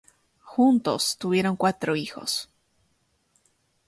Juntos tuvieron cuatro hijos.